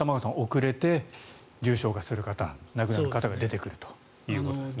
遅れて重症化する方亡くなる方が出てくるということですね。